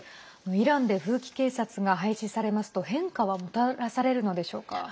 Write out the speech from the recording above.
イランで風紀警察が廃止されますと変化はもたらされるのでしょうか。